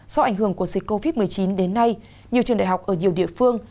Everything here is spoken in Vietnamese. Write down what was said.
do ảnh hưởng của dịch covid một mươi chín đến nay nhiều trường đại học ở nhiều địa phương